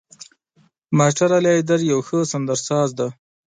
ماسټر علي حيدر يو ښه سندرساز دی.